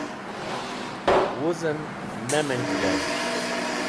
Wuzem Nemenjde